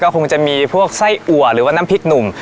คงจะมีพวกไส้อัวหรือว่าน้ำพริกหนุ่ม